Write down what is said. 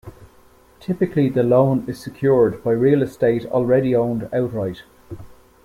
Typically the loan is secured by real estate already owned outright.